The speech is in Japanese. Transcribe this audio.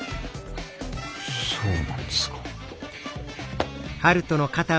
そうなんですか。